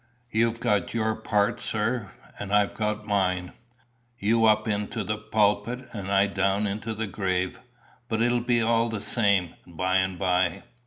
"You've got your part, sir, and I've got mine. You up into the pulpit, and I down into the grave. But it'll be all the same by and by."